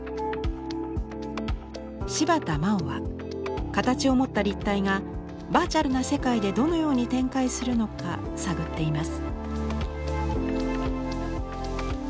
柴田まおは形を持った立体がバーチャルな世界でどのように展開するのか探っています。